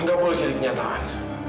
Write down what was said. gak boleh jadi kenyataan